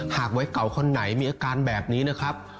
วัยเก่าคนไหนมีอาการแบบนี้นะครับ